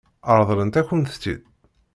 Ṛeḍlent-akent-tt-id?